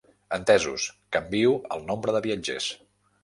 Entesos, canvio el nombre de viatgers.